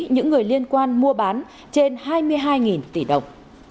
những người liên quan mua bán trên hai mươi hai tỷ đồng